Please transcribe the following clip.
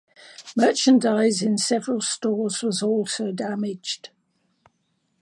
Merchandise in several stores was also damaged.